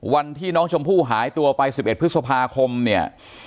วันที่น้องชมพู่หายตัวไป๑๑พฤษภาคมเนี่ย